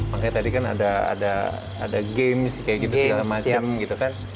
makanya tadi kan ada games sih kayak gitu segala macam gitu kan